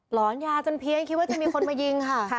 หอนยาจนเพี้ยนคิดว่าจะมีคนมายิงค่ะ